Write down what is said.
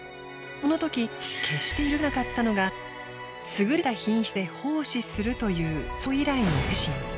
このとき決してゆるがなかったのが優れた品質で奉仕するという創業以来の精神。